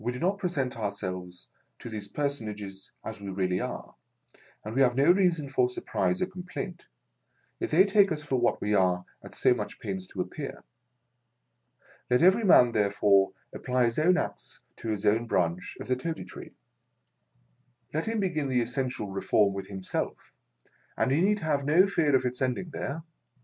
We do not present ourselves to these personages as we really are, and we have no reason for surprise or complaint, if they take us for what we are at so much pains to appear. Let every man, therefore, apply his own axe to his own branch of the Toady Tree. Let him begin the essential Reform with himself, and he need have no fear of its ending there.